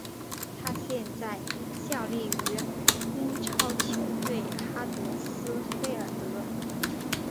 他现在效力于英超球队哈德斯菲尔德。